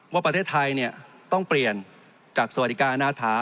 ว่าประเทศไทยต้องเปลี่ยนจากสวัสดิการอนาถา